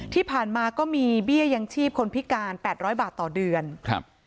ที่ผ่านมาก็มีเบี้ยยังชีพคนพิการแปดร้อยบาทต่อเดือนครับ